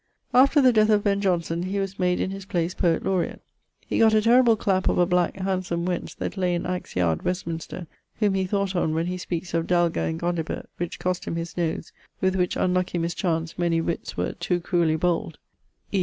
After the death of Ben Johnson he was made in his place Poet Laureat. He gott a terrible clap of a black handsome wench that lay in Axe yard, Westminster, whom he thought on when he speakes of Dalga in Gondibert, which cost him his nose, with which unlucky mischance many witts were to cruelly bold: e.